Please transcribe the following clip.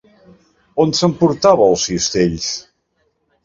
On s'emportava els cistells?